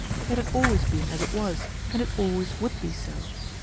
It had always been as it was, and it always would be so.